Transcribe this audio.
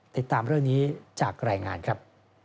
ติดตามเรื่องนี้จากรายงานครับ